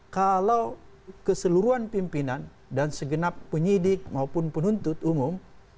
kalau keseluruhan pimpinan dan segenap penyidik maupun penuntut umum